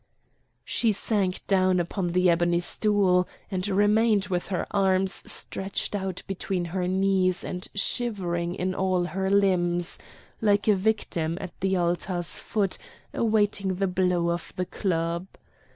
She sank down upon the ebony stool, and remained with her arms stretched out between her knees and shivering in all her limbs, like a victim at the altar's foot awaiting the blow of the club.